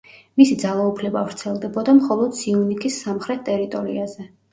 მისი ძალაუფლება ვრცელდებოდა მხოლოდ სიუნიქის სამხრეთ ტერიტორიაზე.